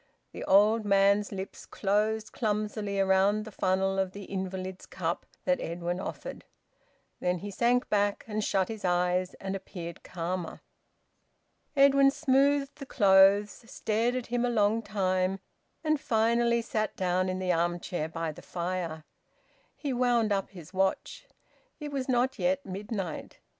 The old man's lips closed clumsily round the funnel of the invalid's cup that Edwin offered. Then he sank back, and shut his eyes, and appeared calmer. Edwin smoothed the clothes, stared at him a long time, and finally sat down in the arm chair by the fire. He wound up his watch. It was not yet midnight.